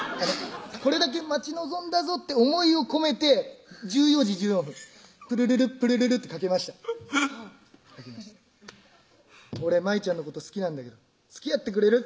これだけ待ち望んだぞって思いを込めて１４時１４分プルルルプルルルってかけました「俺舞ちゃんのこと好きなんだけどつきあってくれる？」